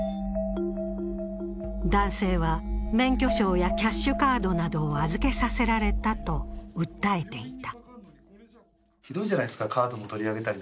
男性は、免許証やキャッシュカードなどを預けさせられたと訴えていた。